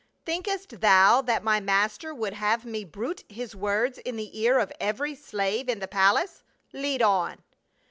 " Thinkest thou that my master would have me bruit his words in the ear of every slave in the palace ? Lead on."